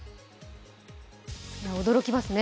驚きますね。